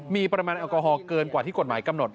มีปริมาณแอลกอฮอลเกินกว่าที่กฎหมายกำหนด